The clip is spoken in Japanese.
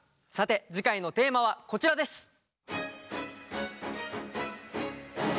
さて次回のテーマはこちらです。